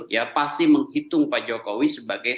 ya pasti menghitung pak jokowi sebagai